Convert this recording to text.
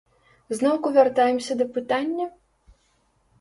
Зноўку вяртаемся да пытання?